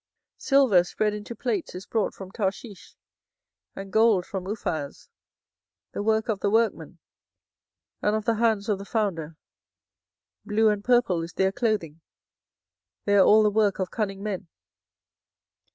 24:010:009 Silver spread into plates is brought from Tarshish, and gold from Uphaz, the work of the workman, and of the hands of the founder: blue and purple is their clothing: they are all the work of cunning men.